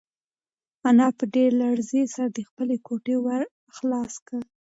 انا په ډېرې لړزې سره د خپلې کوټې ور خلاص کړ.